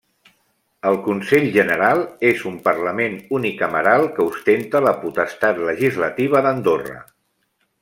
El Consell General és un parlament unicameral que ostenta la potestat legislativa d'Andorra.